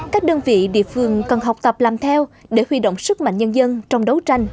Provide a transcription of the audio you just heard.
các đơn vị địa phương cần học tập làm theo để huy động sức mạnh nhân dân trong đấu tranh